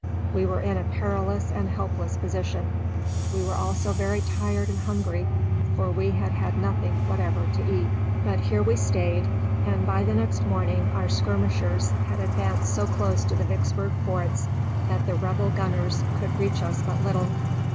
We were in a perilous and helpless position. We were also very tired and hungry, for we had had nothing whatever to eat. But here we stayed, and by the next morning our skirmishers had advanced so close to the Vicksburg forts that the Rebel gunners could reach us but little.